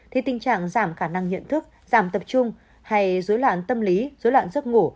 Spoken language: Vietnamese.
thì tình trạng giảm khả năng nhận thức giảm tập trung hay dối loạn tâm lý dối loạn giấc ngủ